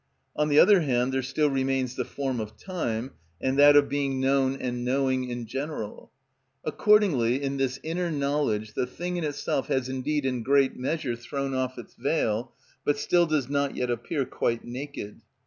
On the other hand, there still remains the form of time, and that of being known and knowing in general. Accordingly in this inner knowledge the thing in itself has indeed in great measure thrown off its veil, but still does not yet appear quite naked.